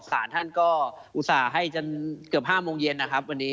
สารท่านก็อุตส่าห์ให้จนเกือบ๕โมงเย็นนะครับวันนี้